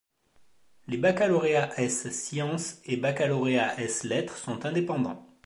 Les baccalauréat ès sciences et baccalauréat ès Lettres sont indépendants.